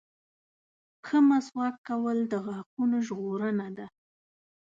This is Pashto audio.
• ښه مسواک کول د غاښونو ژغورنه ده.